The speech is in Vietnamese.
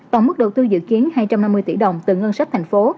tổng mức đầu tư dự kiến hai trăm năm mươi tỷ đồng từ ngân sách thành phố